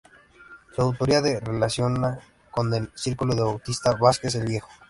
Su autoría se relaciona con el círculo de Bautista Vázquez el Viejo.